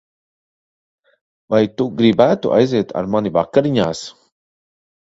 Vai tu gribētu aiziet ar mani vakariņās?